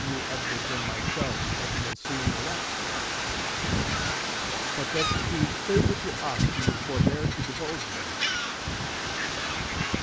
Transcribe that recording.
W. Edwards and myself at the ensuing election, but that through favor to us you would forbear to divulge them.